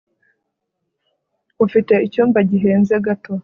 ufite icyumba gihenze gato